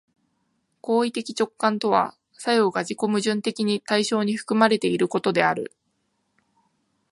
行為的直観とは作用が自己矛盾的に対象に含まれていることである。